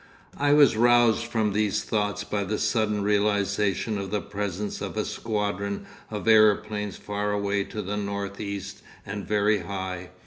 'I was roused from these thoughts by the sudden realisation of the presence of a squadron of aeroplanes far away to the north east and very high.